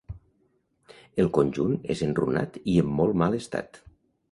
El conjunt és enrunat i en molt mal estat.